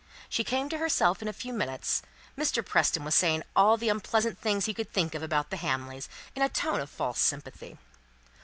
She came to herself in a few minutes. Mr. Preston was saying all the unpleasant things he could think of about the Hamleys in a tone of false sympathy.